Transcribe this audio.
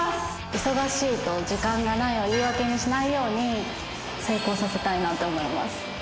忙しいと時間がないを言い訳にしないように、成功させたいなと思います。